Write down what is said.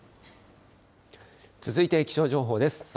続いて気象情報です。